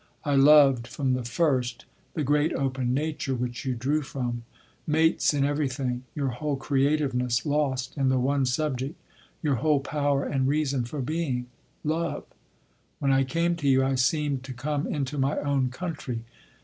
I loved from the first the great open nature which you drew from—mates in everything, your whole creativeness lost in the one subject—your whole power and reason for being—love. When I came to you I seemed to come into my own country....